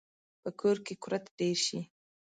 په کور کې کورت ډیر شي